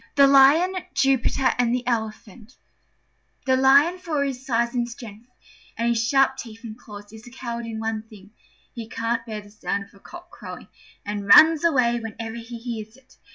THE LION, JUPITER, AND THE ELEPHANT The Lion, for all his size and strength, and his sharp teeth and claws, is a coward in one thing: he can't bear the sound of a cock crowing, and runs away whenever he hears it.